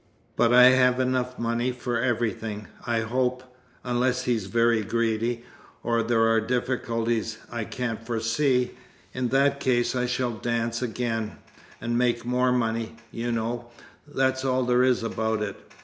But I have money enough for everything, I hope unless he's very greedy, or there are difficulties I can't foresee. In that case, I shall dance again, and make more money, you know that's all there is about it."